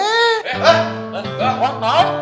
eh enggak waktun naon